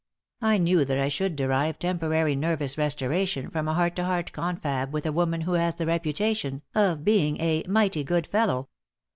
I knew that I should derive temporary nervous restoration from a heart to heart confab with a woman who has the reputation of being "a mighty good fellow."